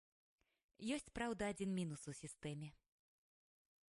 Ёсць, праўда, адзін мінус у сістэме.